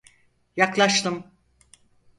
Yaklaştım.